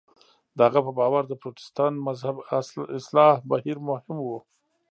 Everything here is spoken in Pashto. د هغه په باور د پروتستان مذهب اصلاح بهیر مهم و.